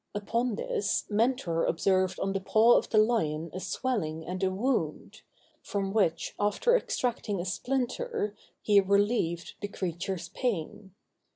Upon this, Mentor observed on the paw of the lion a swelling and a wound; from which, after extracting a splinter, he relieved the creature's pain.